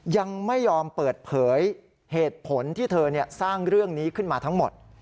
ยังไม่ยอมเปิดเผยเหตุผลที่เธอสร้างเรื่องนี้ขึ้นมาทั้งหมด